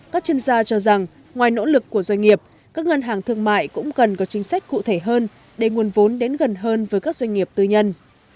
các chuyên gia cho rằng ngoài nỗ lực của doanh nghiệp các ngân hàng thương mại cũng cần có chính sách cụ thể hơn để nguồn vốn đến gần hơn với các doanh nghiệp tư nhân